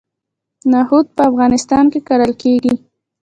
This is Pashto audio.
نخود په افغانستان کې کرل کیږي.